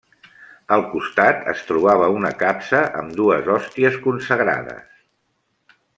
Al costat es trobava una capsa amb dues hòsties consagrades.